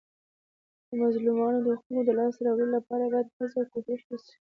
د مظلومانو د حقوقو د لاسته راوړلو لپاره باید هڅه او کوښښ وسي.